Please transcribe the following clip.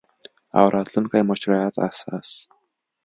او راتلونکي مشروعیت اساس